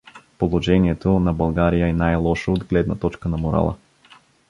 Положението на България е най-лошо от гледна точка на морала.